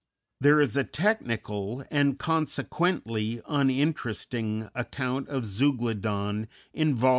There is a technical and, consequently, uninteresting account of Zeuglodon in Vol.